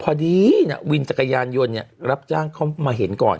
พอดีวินจักรยานยนต์เนี่ยรับจ้างเขามาเห็นก่อน